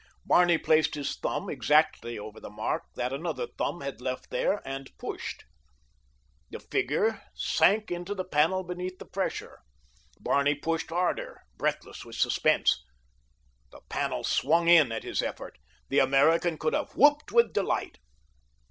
Barney placed his thumb exactly over the mark that another thumb had left there and pushed. The figure sank into the panel beneath the pressure. Barney pushed harder, breathless with suspense. The panel swung in at his effort. The American could have whooped with delight.